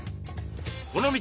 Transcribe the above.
この道